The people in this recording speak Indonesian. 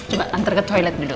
coba antar ke toilet dulu